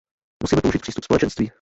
Musíme použít přístup Společenství.